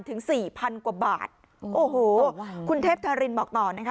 ถึงสี่พันกว่าบาทโอ้โหคุณเทพธารินบอกต่อนะคะ